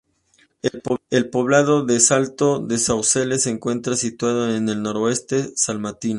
El poblado del Salto de Saucelle se encuentra situado en el noroeste salmantino.